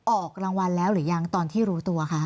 ออกรางวัลแล้วหรือยังตอนที่รู้ตัวคะ